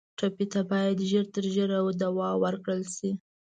ټپي ته باید ژر تر ژره دوا ورکړل شي.